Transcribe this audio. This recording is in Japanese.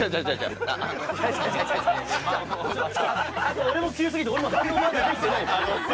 あと俺も急すぎて俺も反応まだできてない。